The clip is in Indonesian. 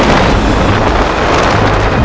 kau akan dihukum